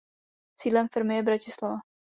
Sídlem firmy je Bratislava.